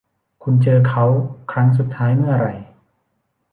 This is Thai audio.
คุณเจอเค้าครั้งสุดท้ายเมื่อไหร่